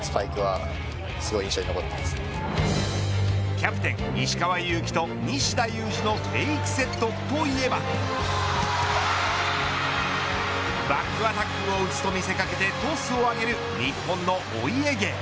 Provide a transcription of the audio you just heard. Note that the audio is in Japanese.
キャプテン、石川祐希と西田有志のフェイクセット、といえばバックアタックを打つと見せ掛けてトスを上げる日本のお家芸。